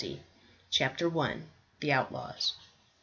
CHAPTER I. THE OUTLAWS.